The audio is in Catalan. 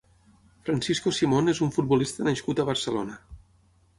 Francisco Simón és un futbolista nascut a Barcelona.